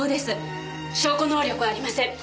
証拠能力はありません。